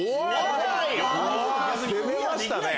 攻めましたね！